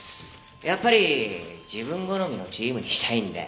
やっぱり自分好みのチームにしたいんで